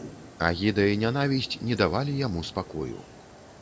Агіда і нянавісць не давалі яму спакою.